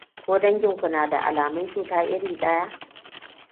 ko dangin ku na da alamun cuta iri ɗaya?